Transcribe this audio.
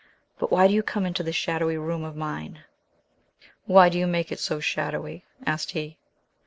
But why do you come into this shadowy room of mine?" "Why do you make it so shadowy?" asked he.